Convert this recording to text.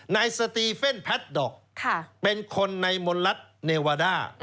นายสตีเฟ่นแพทด็อกเป็นคนในมณรัฐเนวาด้า